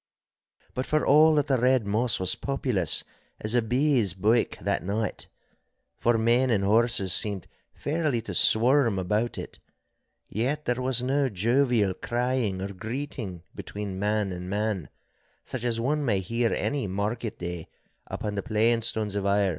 But for all that the Red Moss was populous as a bees' byke that night, for men and horses seemed fairly to swarm about it. Yet there was no jovial crying or greeting between man and man, such as one may hear any market day upon the plainstones of Ayr.